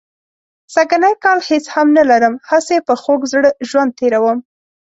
سږنی کال هېڅ هم نه لرم، هسې په خوږ زړه ژوند تېروم.